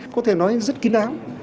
có thể nói rất kinh áo